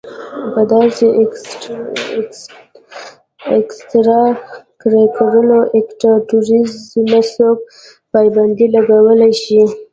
پۀ داسې اېکسټرا کريکولر ايکټويټيز نۀ څوک پابندي لګولے شي